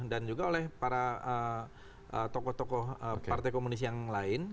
dan juga oleh para tokoh tokoh partai komunis yang lain